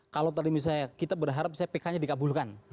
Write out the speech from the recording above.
kalau tadi misalnya kita berharap misalnya pk nya dikabulkan